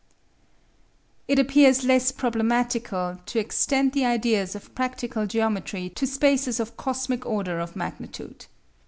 It appears less problematical to extend the ideas of practical geometry to spaces of cosmic order of magnitude.